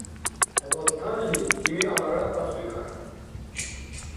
ХӀебалталли, имиалара кьацӀбикӀар.